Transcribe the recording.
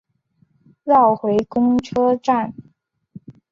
绕回公车站